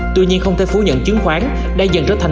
tuy nhiên không thể phủ nhận chứng khoán đang dần trở thành